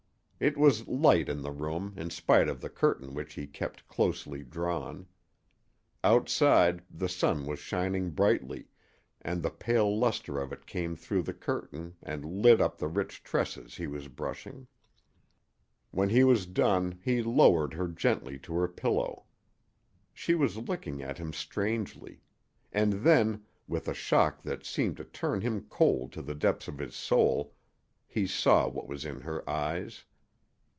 It was light in the room in spite of the curtain which he kept closely drawn. Outside the sun was shining brightly, and the pale luster of it came through the curtain and lit up the rich tresses he was brushing. When he was done he lowered her gently to her pillow. She was looking at him strangely. And then, with a shock that seemed to turn him cold to the depths of his soul, he saw what was in her eyes.